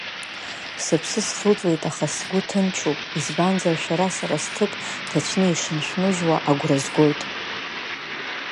Сыԥсы схыҵуеит аха сгәы ҭынчуп, избанзар шәара сара сҭыԥ ҭацәны ишыншәмыжьуа агәра згоит.